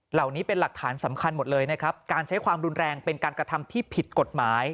เหล่านี้เป็นหลักฐานสำคัญหมดเลยนะครับการใช้ความรุนแรงเป็นการกระทำที่ผิดกฎหมาย